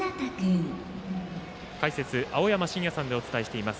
解説、青山眞也さんでお伝えしています。